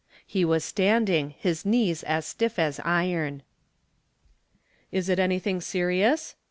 He was standing, his knees as stiff as iron. "Is it anything serious?"